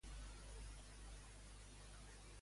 Quina excusa va utilitzar tal de fer-ho?